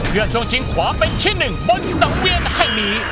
เพื่อช่วงชิงขวาเป็นที่หนึ่งบนสังเวียนแห่งนี้